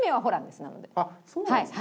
あっそうなんですか。